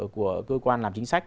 của cơ quan làm chính sách